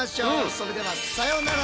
それではさようなら。